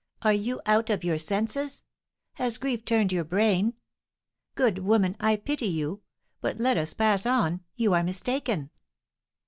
Are you out of your senses? Has grief turned your brain? Good woman, I pity you! But let us pass on; you are mistaken."